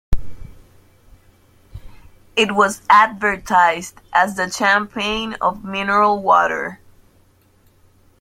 It was advertised as the Champagne of mineral water.